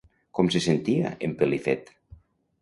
Com se sentia en Pelifet?